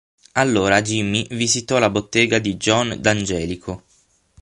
Allora Jimmy visitò la bottega di John D'Angelico.